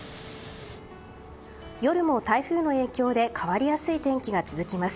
夜も台風の影響で変わりやすい天気が続きます。